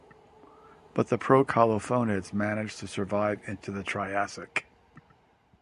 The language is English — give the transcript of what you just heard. But the procolophonids managed to survive into the Triassic.